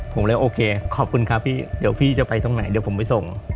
ผมเลยโอเคขอบคุณครับพี่เดี๋ยวพี่จะไปตรงไหนเดี๋ยวผมไปส่ง